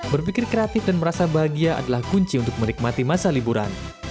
berpikir kreatif dan merasa bahagia adalah kunci untuk menikmati masa liburan